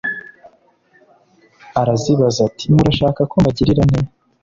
arazibaza ati “Murashaka ko mbagirira nte?”